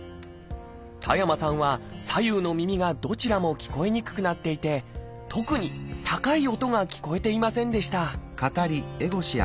田山さんは左右の耳がどちらも聞こえにくくなっていて特に高い音が聞こえていませんでした